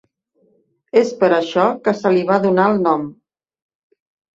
És per això que se li va donar el nom.